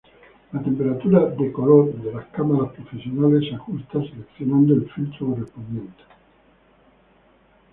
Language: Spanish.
La temperatura de color de las cámaras profesionales se ajusta seleccionando el filtro correspondiente.